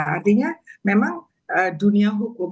artinya memang dunia hukum